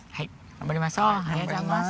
頑張ります。